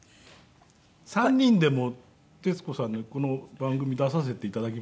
３人でも徹子さんにこの番組出させて頂きましたよね。